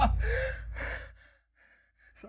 ketika mereka berdua di dalam kondisi tersebut